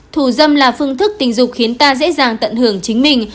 thù dâm là phương thức tình dục khiến ta dễ dàng tận hưởng chính mình